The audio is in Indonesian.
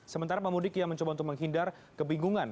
sementara pemudik yang mencoba untuk menghindar kebingungan